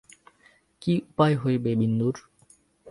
কী উপায় হইবে বিন্দুর?